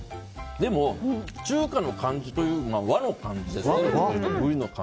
でも、中華の感じというより和の感じ。